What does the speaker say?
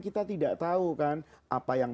kita tidak tahu kan apa yang